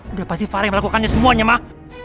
udah pasti farah yang melakukannya semuanya mah